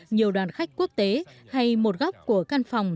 nhiều đoàn khách quốc tế hay một góc của căn phòng